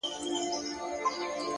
مهرباني د اړیکو ښکلا زیاتوي!.